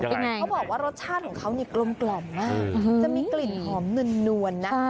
เขาบอกว่ารสชาติของเขานี่กลมกล่อมมากจะมีกลิ่นหอมหน่วนนะ